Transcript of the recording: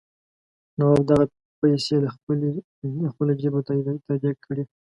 نواب دغه پیسې له خپله جېبه تادیه کړي.